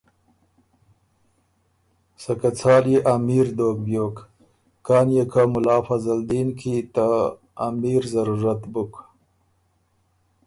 سکه څال يې امیر دوک بیوک کان يې که مُلا فضل دین کی ته امیر ضروت بُک۔